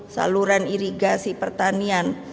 saluran irigasi pertanian